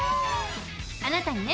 あなたにね